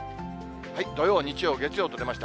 土曜、日曜、月曜と出ました。